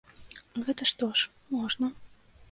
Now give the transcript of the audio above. Гэта што ж, можна.